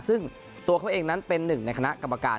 ซึ่งตัวเขาเองนั้นเป็นหนึ่งในคณะกรรมการ